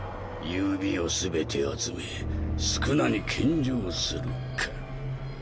指を全て集め宿儺に献上するか。